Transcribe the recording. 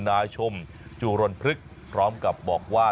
นาชมจุฬลพลึกพร้อมกับบอกว่า